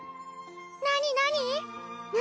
何何？